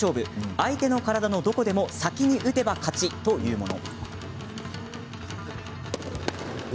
相手の体のどこでも先に打てば勝ちというもの。